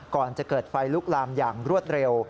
ก่อนจะเกิดไฟลุกลามอย่างรวดเร็ว